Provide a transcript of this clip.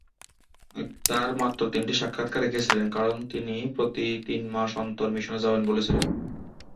আক্তার মাত্র তিনটি সাক্ষাৎকার রেখেছিলেন কারণ তিনি প্রতি তিন মাস অন্তর মিশনে যাবেন বলেছিলেন।